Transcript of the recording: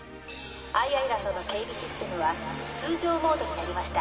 Ｉ・アイランドの警備システムは通常モードになりました。